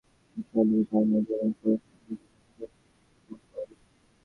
অবশ্য অস্ত্রবিরতি কার্যকরের আগে এবং পরে সেখানে বিক্ষিপ্ত সংঘর্ষের খবর পাওয়া গেছে।